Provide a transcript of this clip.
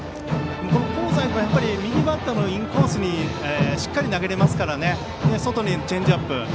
香西君は右バッターのインコースにしっかり投げられますから外にいくチェンジアップ。